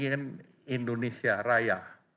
kan indonesia raya